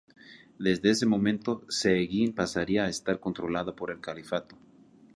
Desde ese momento Cehegín pasaría a estar controlada por el Califato.